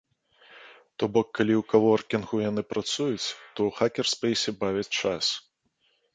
То бок, калі ў каворкінгу яны працуюць, то ў хакерспэйсе бавяць час.